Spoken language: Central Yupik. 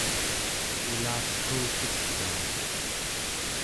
ulapequtekaa